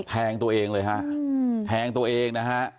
แทงตัวเองเลยฮะแทงตัวเองนะฮะ